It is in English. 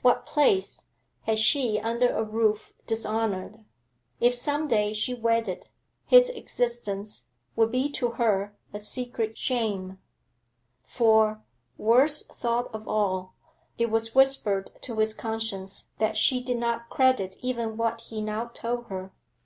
What place had she under a roof dishonoured? If some day she wedded, his existence would be to her a secret shame. For worst thought of all it was whispered to his conscience that she did not credit even what he now told her.